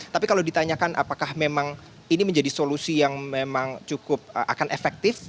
tapi kalau ditanyakan apakah memang ini menjadi solusi yang memang cukup akan efektif